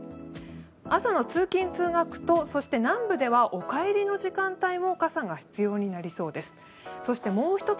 朝の通勤・通学とそして南部ではお帰りの時間帯も傘が必要になりそうです。